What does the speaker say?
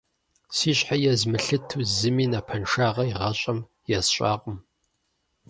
Си щхьэ езмылъыту зыми напэншагъэ игъащӀэм есщӀакъым.